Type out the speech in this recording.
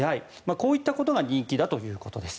こういったことが人気だということです。